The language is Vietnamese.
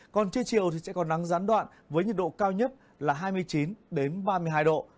còn trưa chiều thì sẽ còn nắng gián đoạn với nhiệt độ cao nhất là hai mươi chín ba mươi hai độ